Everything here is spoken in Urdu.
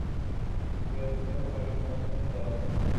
ریاست نے پاکستان کا ساتھ